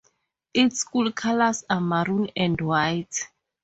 Its school colors are maroon and white.